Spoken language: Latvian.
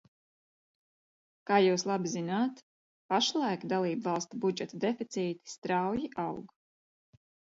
Kā jūs labi zināt, pašlaik dalībvalstu budžetu deficīti strauji aug.